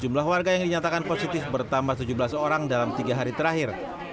jumlah warga yang dinyatakan positif bertambah tujuh belas orang dalam tiga hari terakhir